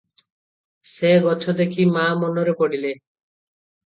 ସେ ଗଛ ଦେଖି ମା’ ମନରେ ପଡ଼ିଲେ ।